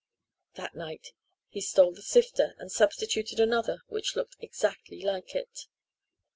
That night he stole the sifter and substituted another which looked exactly like it.